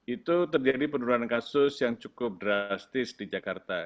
itu terjadi penurunan kasus yang cukup drastis di jakarta